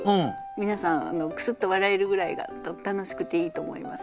皆さんクスッと笑えるぐらいが楽しくていいと思います。